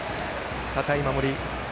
堅い守り。